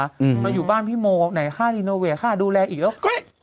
มาอยู่บ้านพี่โมไหนค่ารีโนเวทค่าดูแลอีกแล้ว